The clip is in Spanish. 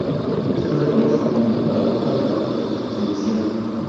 Esto se conoce como paradoja de la predestinación.